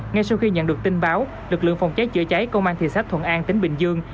ngay sau khi nhận được tin báo lực lượng phòng cháy chữa cháy công an thị xã thuận an tỉnh bình dương